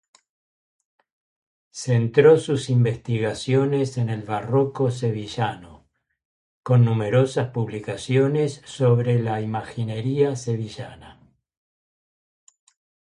Centró sus investigaciones en el barroco sevillano, con numerosas publicaciones sobre la imaginería sevillana.